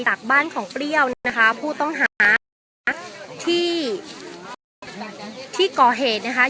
ฐักบ้านของเปรี้ยวนะคะผู้ต้องหาที่กล่อเหตุนะคะ